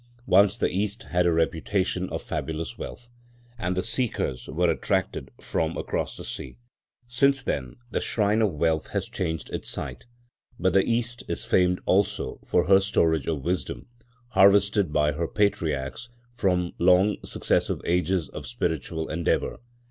Once the East had her reputation of fabulous wealth, and the seekers were attracted from across the sea. Since then, the shrine of wealth has changed its site. But the East is famed also for her storage of wisdom, harvested by her patriarchs from long successive ages of spiritual endeavour.